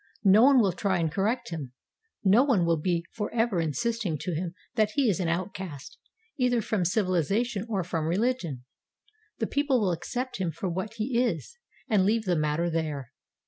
No one will try and correct him; no one will be for ever insisting to him that he is an outcast, either from civilization or from religion. The people will accept him for what he is, and leave the matter there.